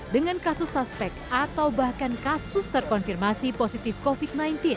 dengan kasus suspek atau bahkan kasus terkonfirmasi positif covid sembilan belas